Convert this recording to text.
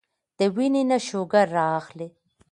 د وينې نه شوګر را اخلي